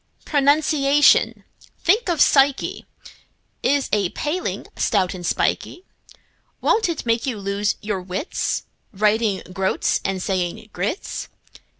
Pronunciation—think of psyche!— Is a paling, stout and spikey; Won't it make you lose your wits, Writing "groats" and saying groats?